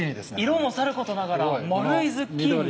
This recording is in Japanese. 色もさることながら丸いズッキーニ。